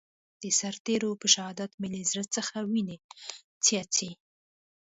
د سرتېرو په شهادت مې له زړه څخه وينې څاڅي.